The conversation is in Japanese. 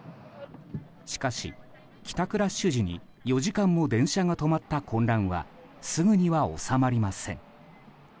しかし、帰宅ラッシュ時に４時間も電車が止まった混乱はすぐには収まりません。